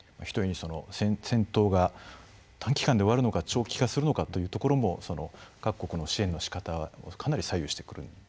ひとえに戦闘が短期間で終わるのか長期化するのかというところも各国の支援のしかたかなり左右してくる。